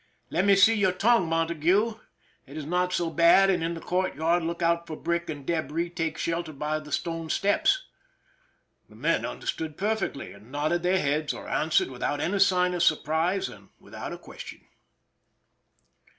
"Let me see your tongue, Montague. It is not so bad, and in the courtyard look out for brick and debris ; take shel ter by the stone steps." The men understood per fectly, and nodded their heads or answered without any sign of surprise and without a question.